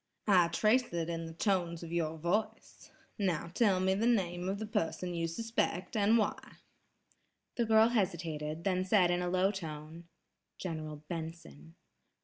"I trace it in the tones of your voice. Now tell me the name of the person you suspect and why." The girl hesitated, then said in a low tone: "General Benson!"